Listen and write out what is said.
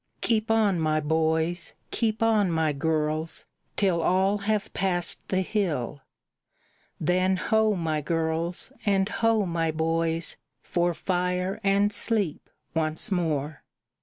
"Keep on, my boys, keep on, my girls, till all have passed the hill; Then ho, my girls, and ho, my boys, for fire and sleep once more!"